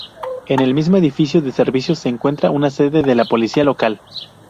En el mismo edificio de servicios se encuentra una sede de la Policía Local.